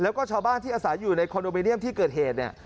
แล้วก็ชาวบ้านที่อาสาอยู่ในคอนโดไมเนียมที่เกิดเหตุ